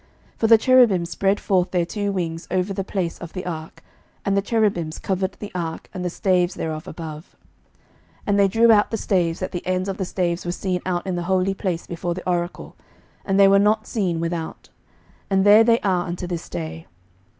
11:008:007 For the cherubims spread forth their two wings over the place of the ark, and the cherubims covered the ark and the staves thereof above. 11:008:008 And they drew out the staves, that the ends of the staves were seen out in the holy place before the oracle, and they were not seen without: and there they are unto this day.